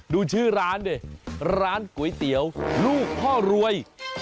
ดูชื่อร้านดิร้านก๋วยเตี๋ยวลูกพ่อรวย